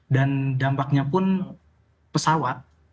dan dampaknya pun pesawat